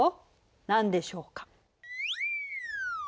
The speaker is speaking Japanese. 何でしょうか？